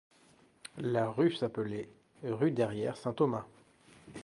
La rue s'appelait rue Derrière-Saint-Thomas.